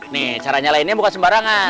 nih caranya lainnya buka sembarangan